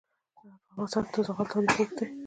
په افغانستان کې د زغال تاریخ اوږد دی.